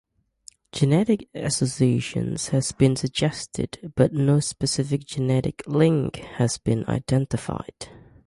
A genetic association has been suggested, but no specific genetic link has been identified.